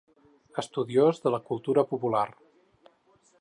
Estudiós de la cultura popular.